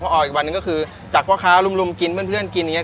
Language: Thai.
พอออกอีกวันนึงก็คือจากพ่อค้ารุ่มรุ่มกินเพื่อนเพื่อนกินอย่างเงี้ย